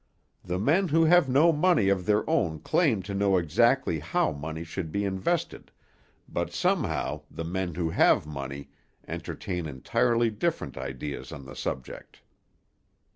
The men who have no money of their own claim to know exactly how money should be invested, but somehow the men who have money entertain entirely different ideas on the subject.